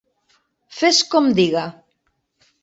Fes com diga.